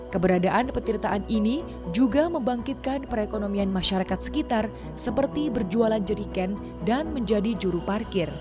keberadaan petirtaan ini juga membangkitkan perekonomian masyarakat sekitar seperti berjualan jeriken dan menjadi juru parkir